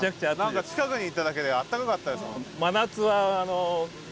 何か近くに行っただけであったかかったですもん。